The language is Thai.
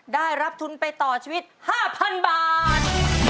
ได้รับทุนไปต่อชีวิต๕๐๐๐บาท